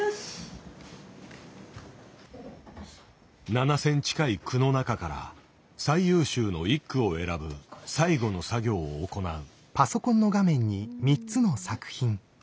７，０００近い句の中から最優秀の１句を選ぶ最後の作業を行う。